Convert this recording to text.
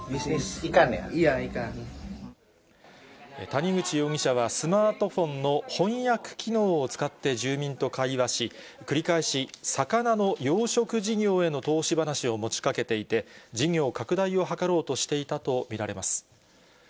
谷口容疑者は、スマートフォンの翻訳機能を使って住民と会話し、繰り返し魚の養殖事業への投資話を持ちかけていて、事業拡大を図ろうとしていたと見られます。